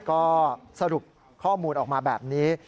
ก็สรุปข้อมูลออกมาแบบนี้